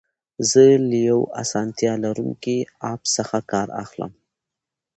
زه له یو اسانتیا لرونکي اپ څخه کار اخلم.